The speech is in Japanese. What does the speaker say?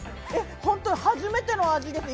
本当に初めての味です。